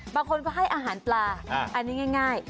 บางคนก็ให้อาหารปลาอันนี้ง่าย